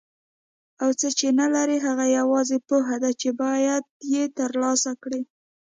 او څه چې نه لري هغه یوازې پوهه ده چې باید یې ترلاسه کړي.